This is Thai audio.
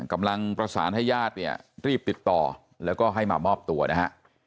กำลังประสานให้ญาติเนี่ยรีบติดต่อแล้วก็ให้มามอบตัวนะฮะ